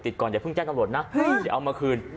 ก่อนอย่าเพิ่งแจ้งตำรวจนะเดี๋ยวเอามาคืน